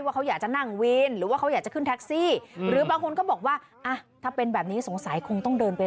ว่าเขาอยากจะนั่งวินหรือว่าเขาอยากจะขึ้นแท็กซี่